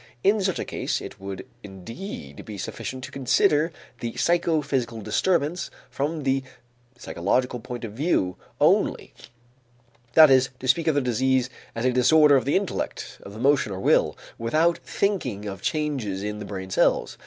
In such a case it would indeed be sufficient to consider the psychophysical disturbance from the psychological point of view only, that is, to speak of the disease as a disorder of intellect, of emotion or will, without thinking of changes in the brain cells.